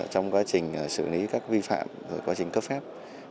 trong quá trình xử lý các vi phạm quá trình cấp phép